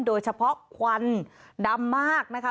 โดยเฉพาะควันดำมากนะคะ